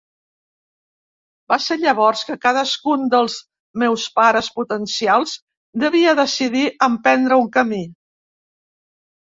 Va ser llavors que cadascun dels meus pares potencials devia decidir emprendre un camí.